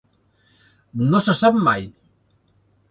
No se sap mai!